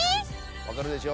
「わかるでしょ？